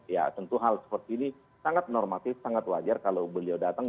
ya tentu hal seperti ini sangat normatif sangat wajar kalau beliau datang